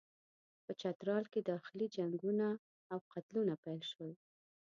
په چترال کې داخلي جنګونه او قتلونه پیل شول.